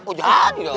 oh jadi dong